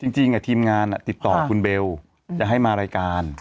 จริงทีมงานติดต่อคุณเบลจะให้มารายการ